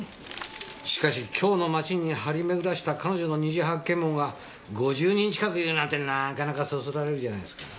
しかし京の街に張り巡らした彼女の虹発見網が５０人近くいるなんてなかなかそそられるじゃないですか。